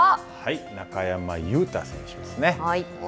中山雄太選手ですね。